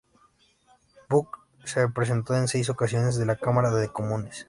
Buck se presentó en seis ocasiones a la Cámara de los Comunes.